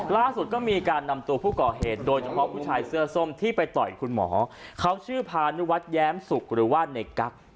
ล่าสุดก็มีการนำตัวผู้ก่อเหตุโดยเฉพาะผู้ชายเสื้อส้มที่ไปต่อยคุณหมอเขาชื่อพานุวัฒน์แย้มสุกหรือว่าในกั๊ก